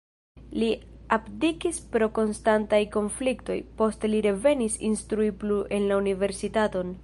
Li abdikis pro konstantaj konfliktoj, poste li revenis instrui plu en la universitaton.